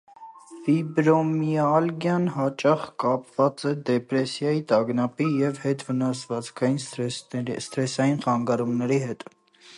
Ֆիբրոմիալգիան հաճախ կապված է դեպրեսիայի, տագնապի և հետվնասվածքային սթրեսային խանգարումների հետ։